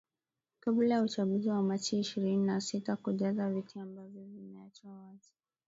kabla ya uchaguzi wa machi ishirini na sita kujaza viti ambavyo vimeachwa wazi